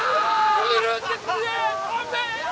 降るんですね雨！